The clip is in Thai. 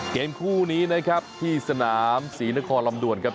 เกมคู่นี้นะครับที่สนามศรีนครลำด่วนครับ